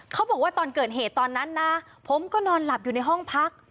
เขาบอกว่าตอนเกิดเหตุตอนนั้นนะผมก็นอนหลับอยู่ในห้องพัก